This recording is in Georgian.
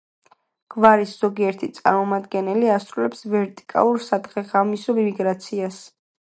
გვარის ზოგიერთი წარმომადგენელი ასრულებს ვერტიკალურ სადღეღამისო მიგრაციას.